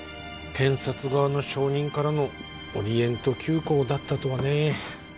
『検察側の証人』からの『オリエント急行』だったとはね。